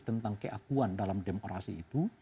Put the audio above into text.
tentang keakuan dalam demokrasi itu